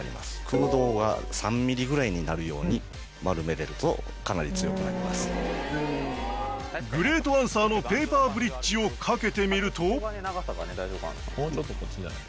空洞が３ミリぐらいになるように丸められるとかなり強くなりますグレートアンサーのペーパーブリッジをかけてみるともうちょっとこっちじゃない？